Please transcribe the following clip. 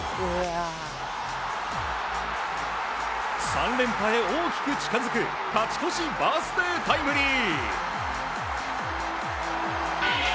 ３連覇へ大きく近づく勝ち越しバースデータイムリー！